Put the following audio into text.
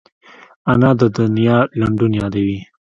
انا د دنیا لنډون یادوي